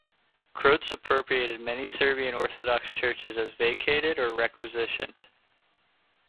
Croats appropriated many Serbian Orthodox churches as "vacated or requisitioned".